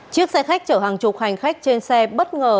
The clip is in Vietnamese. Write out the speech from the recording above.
chiếc xe khách chở hàng chục hành khách trên xe bất ngờ